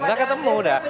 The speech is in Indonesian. nggak ketemu udah